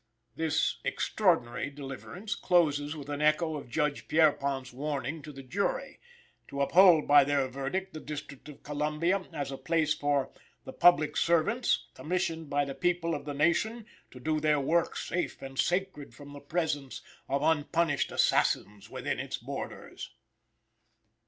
This extraordinary deliverance closes with an echo of Judge Pierrepont's warning to the jury, to uphold by their verdict the District of Columbia, as a place for "the public servants, commissioned by the people of the nation, to do their work safe and sacred from the presence of unpunished assassins within its borders."